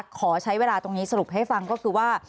ขอใช้เวลาตรงนี้สรุปให้ฟังก็คือว่า